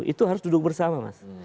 itu harus duduk bersama mas